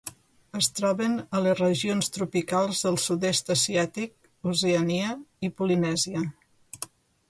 Es troben a les regions tropicals del sud-est asiàtic, Oceania i Polinèsia.